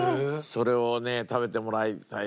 それをね食べてもらいたいな。